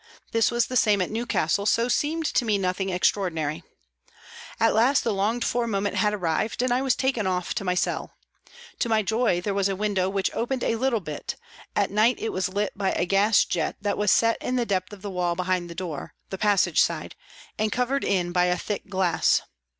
This was the same at Newcastle, so seemed to me nothing extraordinary . At last the longed for moment had arrived, and I was taken off to my cell. To my joy there was a window which opened a little bit ; at night it was lit by a gas jet that was set in the depth of the wall behind the door, the passage side, and covered in by a thick glass.